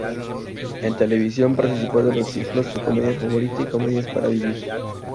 En televisión, participó de los ciclos "Su comedia favorita" y "Comedias para vivir".